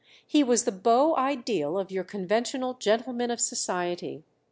He was the beau ideal of your conventional gentleman of society.